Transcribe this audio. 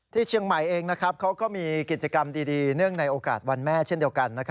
เชียงใหม่เองเขาก็มีกิจกรรมดีเนื่องในโอกาสวันแม่เช่นเดียวกัน